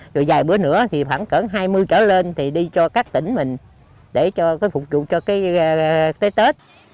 rồi vài bữa nữa thì khoảng hai mươi trở lên thì đi cho các tỉnh mình để phục trụ cho tết tết